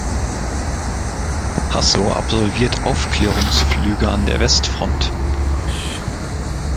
Hasso absolviert Aufklärungsflüge an der Westfront.